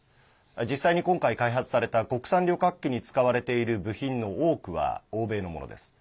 実際に、今回開発された国産旅客機に使われている部品の多くは欧米のものです。